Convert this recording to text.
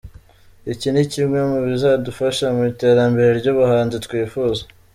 Iki ni kimwe mu bizadufasha mu iterambere ry’ubuhanzi twifuza.